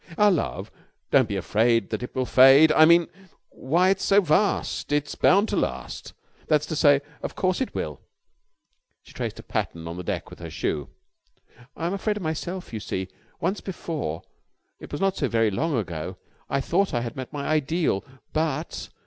"Our love? Don't be afraid that it will fade ... I mean ... why, it's so vast, it's bound to last ... that is to say, of course, it will." She traced a pattern on the deck with her shoe. "I'm afraid of myself. You see, once before and it was not so very long ago, I thought I had met my ideal, but...."